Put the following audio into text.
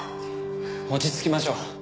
落ち着きましょう。